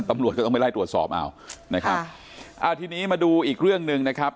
ตำรวจก็ต้องไปไล่ตรวจสอบเอานะครับอ่าทีนี้มาดูอีกเรื่องหนึ่งนะครับ